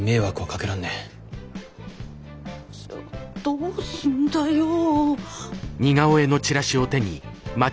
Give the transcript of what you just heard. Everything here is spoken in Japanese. どうすんだよ。